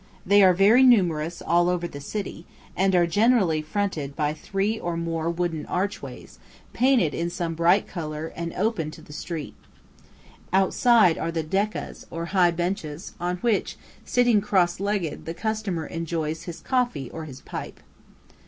They are very numerous all over the city, and are generally fronted by three or more wooden archways painted in some bright colour and open to the street. Outside are the "dekkas," or high benches, on which, sitting cross legged, the customer enjoys his coffee or his pipe.